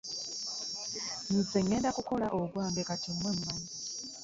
Nze ŋŋenda kukola ogwange kati mmwe mumanyi.